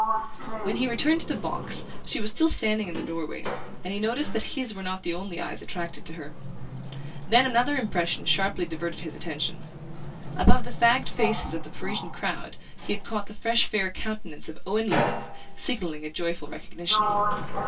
When he returned to the box she was still standing in the doorway, and he noticed that his were not the only eyes attracted to her. Then another impression sharply diverted his attention. Above the fagged faces of the Parisian crowd he had caught the fresh fair countenance of Owen Leath signalling a joyful recognition.